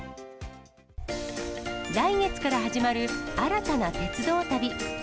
来月から始まる新たな鉄道旅。